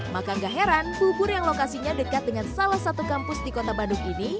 maka gak heran bubur yang lokasinya dekat dengan salah satu kampus di kota bandung ini